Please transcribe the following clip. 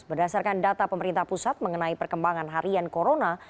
berdasarkan data pemerintah pusat mengenai perkembangan harian corona